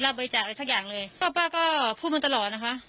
บริจาคอะไรสักอย่างเลยก็ป้าก็พูดมาตลอดนะคะ